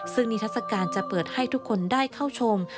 ซึ่งนิทัศกาลจะเปิดให้ทุกคนได้เข้าชม